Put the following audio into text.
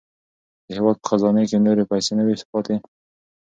د هېواد په خزانې کې نورې پیسې نه وې پاتې.